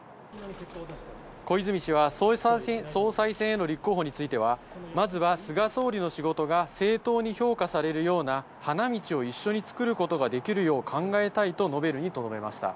小泉氏は総裁選への立候補については、まずは菅総理の仕事が正当に評価されるような花道を一緒に作ることができるよう考えたいと述べるにとどめました。